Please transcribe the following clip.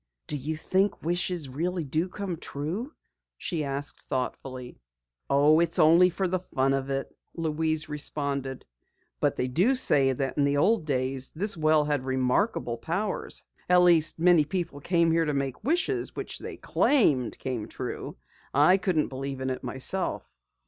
"Do you think wishes really do come true?" she asked thoughtfully. "Oh, it's only for the fun of it," Louise responded. "But they do say that in the old days, this well had remarkable powers. At least many persons came here to make wishes which they claimed came true. I couldn't believe in it myself."